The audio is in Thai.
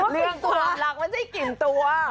เรื่องความรักมันไม่ใช่กลิ่นตัว